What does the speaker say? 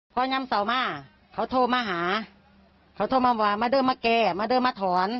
เหมือนกับโลปทงการฆ่าท่านจะออกไปบอกว่าจะเอากลับไปไข้หนอย